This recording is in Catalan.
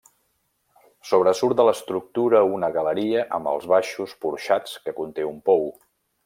Sobresurt de l'estructura una galeria amb els baixos porxats, que conté un pou.